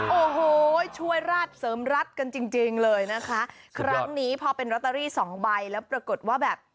โอ้โหช่วยราชเสริมรัฐกันจริงจริงเลยนะคะครั้งนี้พอเป็นลอตเตอรี่สองใบแล้วปรากฏว่าแบบ